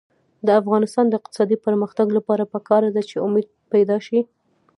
د افغانستان د اقتصادي پرمختګ لپاره پکار ده چې امید پیدا شي.